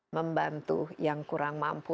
membantu yang kurang mampu